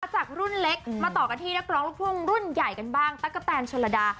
จากรุ่นเล็กมาต่อกันที่นักร้องลูกทุ่งรุ่นใหญ่กันบ้างตั๊กกะแตนชนระดา